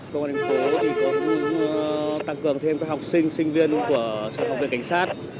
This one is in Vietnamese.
công an thành phố cũng tăng cường thêm các học sinh sinh viên của học viện cảnh sát